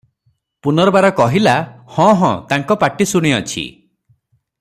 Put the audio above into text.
ପୁନର୍ବାର କହିଲା, " ହଁ ହଁ ତାଙ୍କ ପାଟି ଶୁଣିଅଛି ।